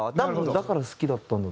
だから好きだったんだと。